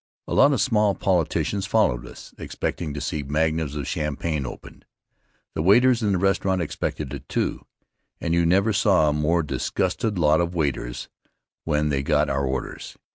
A lot of small politicians followed us, expectin' to see magnums of champagne opened. The waiters in the restaurant expected it, too, and you never saw a more disgusted lot of waiters when they got our orders.